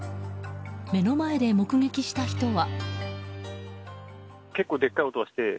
目の前で目撃した人は。